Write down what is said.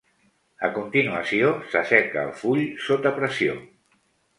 A continuació, s'asseca el full sota pressió.